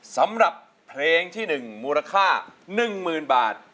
สำหรับเพลงที่๑มูลค่า๑๐๐๐บาท